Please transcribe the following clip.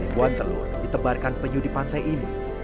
ribuan telur ditebarkan penyu di pantai ini